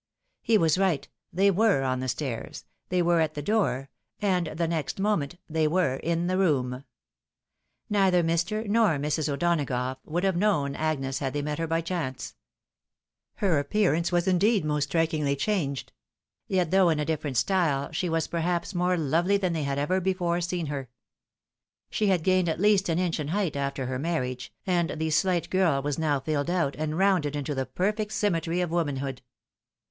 He was right. They were on the stairs, they were at the door — and the next moment they were in the room. Neither Mr. nor Mrs. O'Donagough would have known Agnes had they met her by chance. Her appearance indeed was most strikingly changed ; yet though in a different style, she was perhaps more lovely than they had ever before seen her. She had gained at least an inch iu height after her marriage, and the slight girl was now fiUed out, and rounded into the perfect symmetry of womanhood.